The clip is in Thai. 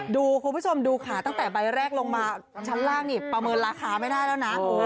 คุณผู้ชมดูขาตั้งแต่ใบแรกลงมาชั้นล่างนี่ประเมินราคาไม่ได้แล้วนะ